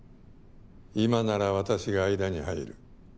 今なら私が間に入る。